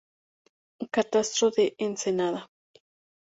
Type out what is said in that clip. Catastro de Ensenada.